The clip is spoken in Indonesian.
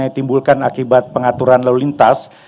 yang ditimbulkan akibat pengaturan lalu lintas